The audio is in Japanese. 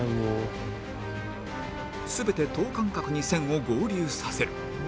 全て等間隔に線を合流させる